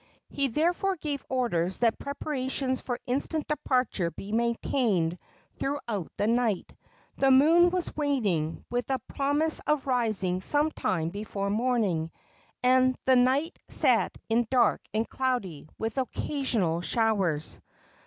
He therefore gave orders that preparations for instant departure be maintained throughout the night. The moon was waning, with a promise of rising some time before morning, and the night set in dark and cloudy, with occasional showers.